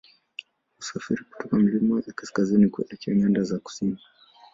Husafiri kutoka milima ya kaskazini kuelekea nyanda za kusini